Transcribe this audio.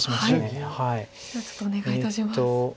じゃあちょっとお願いいたします。